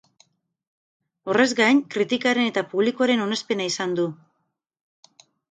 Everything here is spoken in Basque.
Horrez gain, kritikaren eta publikoaren onespena izan du.